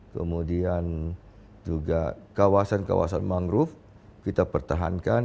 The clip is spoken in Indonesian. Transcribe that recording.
kemudian juga kawasan kawasan mangrove kita pertahankan